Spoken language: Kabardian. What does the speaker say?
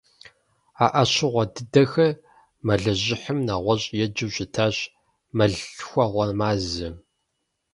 А Ӏэщыхъуэ дыдэхэр мэлыжьыхьым нэгъуэщӀу еджэу щытащ - мэллъхуэгъуэ мазэ.